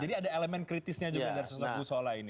jadi ada elemen kritisnya juga dari susah gus dur ini